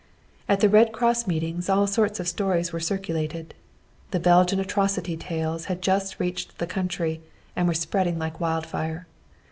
At the Red Cross meetings all sorts of stories were circulated; the Belgian atrocity tales had just reached the country, and were spreading like wildfire.